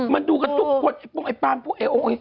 มันดูกับทุกคนปุ้งไอ้ปังปุ้งไอ้องค์